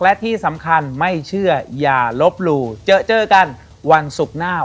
และที่สำคัญไม่เชื่ออย่าลบหลู่เจอเจอกันวันศุกร์หน้า